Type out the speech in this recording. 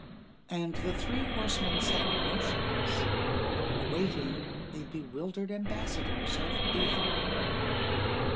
And the three horsemen sat motionless, awaiting the bewildered ambassadors of Beethorpe.